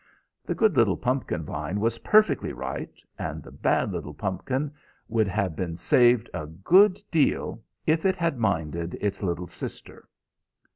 The good little pumpkin vine was perfectly right, and the bad little pumpkin would have been saved a good deal if it had minded its little sister.